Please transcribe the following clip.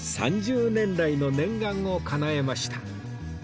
３０年来の念願を叶えました